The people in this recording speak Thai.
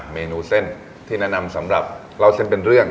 เมนูเส้นที่แนะนำสำหรับเล่าเส้นเป็นเรื่อง